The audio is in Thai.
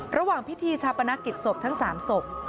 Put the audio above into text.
ระหว่างพิธีชาปนกิจศพทั้ง๓ศพ